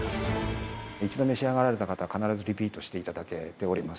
一番召し上がられた方は、必ずリピートしていただけております。